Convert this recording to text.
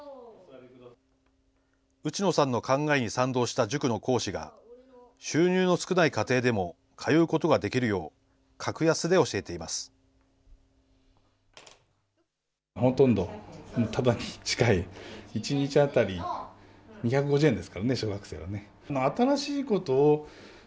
内野さんの考えに賛同した塾の講師が収入の少ない家庭でも通うことができるよう、格安で教えています。